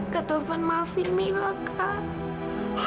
kak tovan maafin mila kak